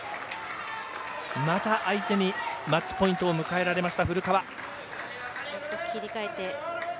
また相手にマッチポイントを迎えられました。